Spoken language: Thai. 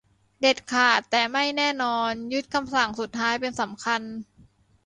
"เด็ดขาด แต่ไม่แน่นอน ยึดคำสั่งสุดท้ายเป็นสำคัญ"